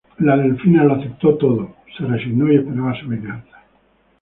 La Delfina lo aceptó todo, se resignó y esperaba su venganza.